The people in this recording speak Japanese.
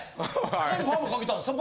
何でパーマかけたんですか？